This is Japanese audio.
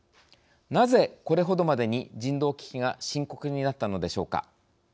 なぜ、これほどまでに人道危機が深刻になったのでしょうか。